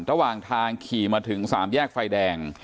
ระหว่างทางขี่มาถึงสามแยกไฟแดง